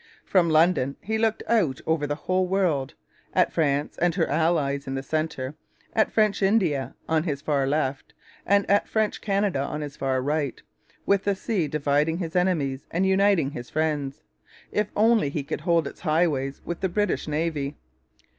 From London he looked out over the whole world: at France and her allies in the centre, at French India on his far left, and at French Canada on his far right; with the sea dividing his enemies and uniting his friends, if only he could hold its highways with the British Navy.